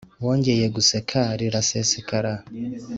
wongeye guseka riraseseka